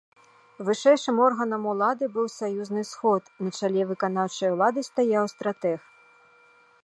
Вышэйшым органам улады быў саюзны сход, на чале выканаўчай улады стаяў стратэг.